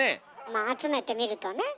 まあ集めてみるとね。